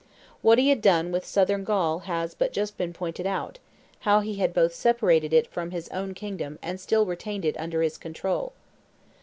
What he had done with Southern Gaul has but just been pointed out: how he had both separated it from his own kingdom and still retained it under his control.